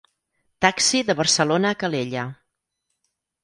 Taxi de Barcelona a Calella.